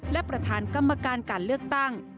และประธานกรรมการการเลือกตั้ง